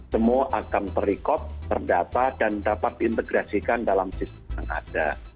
semua akan ter record terdata dan dapat diintegrasikan dalam sistem yang ada